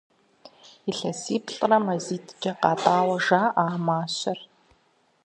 Илъэсиплӏрэ мазитӏкӏэ къатӏауэ жаӏэж а мащэр.